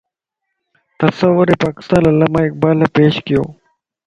تصورِ پاڪستان علاما اقبال پيش ڪيو